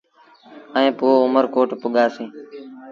ائيٚݩ پو اُمر ڪوٽ پڳآسيٚݩ۔